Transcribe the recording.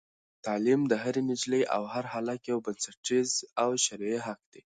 تعلیم د هرې نجلۍ او هر هلک یو بنسټیز او شرعي حق دی.